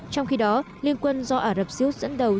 trong khi đó liên quân do ả rập xê út dẫn đầu